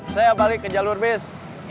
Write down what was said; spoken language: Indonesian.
saya balik ke jalur bus